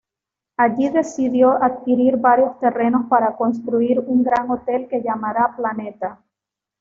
Allí decidió adquirir varios terrenos para construir un gran hotel que llamara Planeta.